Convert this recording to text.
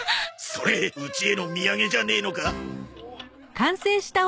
それうちへの土産じゃねえのか？